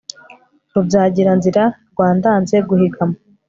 Rubyagiranzira rwa ndanze guhigama